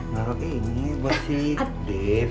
nggak oke ini buat si dev